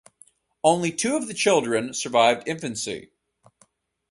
Only two of the children survived infancy.